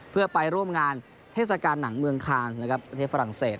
เพื่อไปร่วมงานเทศกาลหนังเมืองคานส์นะครับประเทศฝรั่งเศส